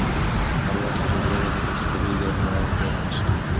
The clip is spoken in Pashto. هر وخت چې چاپېریال وساتل شي، طبیعي زیان به زیات نه شي.